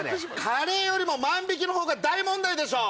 カレーよりも万引きのほうが大問題でしょ！